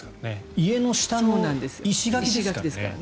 家の下の石垣ですからね。